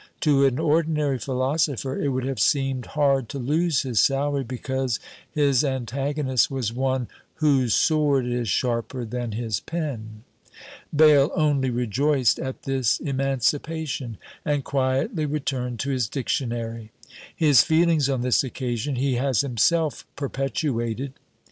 To an ordinary philosopher it would have seemed hard to lose his salary because his antagonist was one Whose sword is sharper than his pen. Bayle only rejoiced at this emancipation, and quietly returned to his Dictionary. His feelings on this occasion he has himself perpetuated.